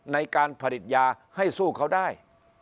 ในการผลิตยาให้สู้เขาได้